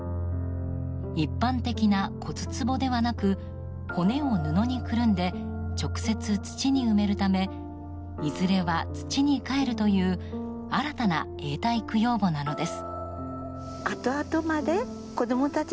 一般的な骨つぼではなく骨を布にくるんで直接、土に埋めるためいずれは土にかえるという新たな永代供養墓なのです。